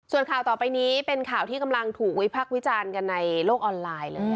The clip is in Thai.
ส่วนข่าวต่อไปนี้เป็นข่าวที่กำลังถูกวิพักษ์วิจารณ์กันในโลกออนไลน์เลย